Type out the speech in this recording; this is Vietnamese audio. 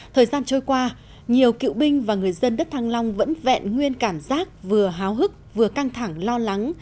thời gian trôi qua nhiều cựu binh và người dân đất thăng long vẫn vẹn nguyên cảm giác vừa háo hức vừa căng thẳng lo lắng